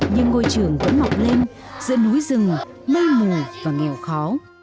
nhưng ngôi trường vẫn mọc lên giữa núi rừng nơi mù và nghèo khó